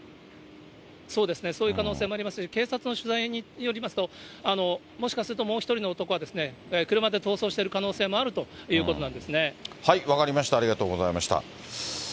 そうですね、そういう可能性もありますし、警察の取材によりますと、もしかするともう１人の男は、車で逃走している可能性も分かりました、ありがとうございました。